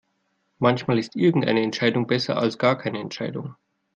Manchmal ist irgendeine Entscheidung besser als gar keine Entscheidung.